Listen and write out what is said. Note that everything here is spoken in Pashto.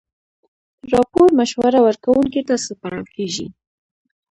راپور مشوره ورکوونکي ته سپارل کیږي.